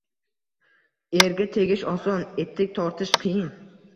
Erga tegish oson, etik tortish qiyin